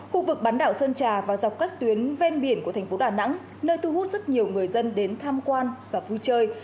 khu vực bán đảo sơn trà và dọc các tuyến ven biển của thành phố đà nẵng nơi thu hút rất nhiều người dân đến tham quan và vui chơi